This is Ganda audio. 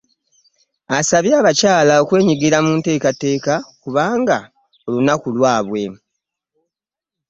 Asabye abakyala okwenyigira mu nteekateeka kubanga olunaku lwabwe.